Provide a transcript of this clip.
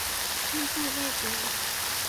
屈布内泽。